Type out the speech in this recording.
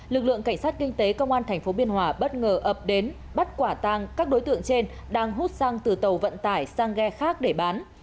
lực lượng cảnh sát kinh tế công an tp biên hòa bất ngờ ập đến bắt quả tang các đối tượng trên đang hút xăng từ tàu vận tải sang ghe khác để bán